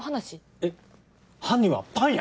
えっ犯人はパン屋？